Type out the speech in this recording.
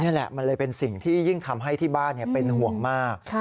นี่แหละมันเลยเป็นสิ่งที่ยิ่งทำให้ที่บ้านเป็นห่วงมาก